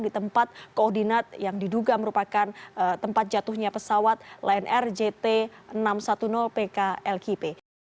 di tempat koordinat yang diduga merupakan tempat jatuhnya pesawat lion air jt enam ratus sepuluh pklkp